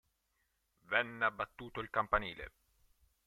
Venne abbattuto il campanile.